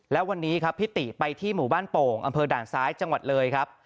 แล้ววันนี้ครับพี่ติไปที่หมู่บ้านโป่งอำเภอด่านซ้ายจังหวัดเลยครับ